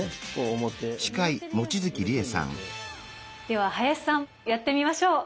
では林さんやってみましょう。